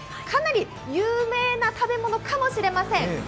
かなり有名な食べ物かもしれません。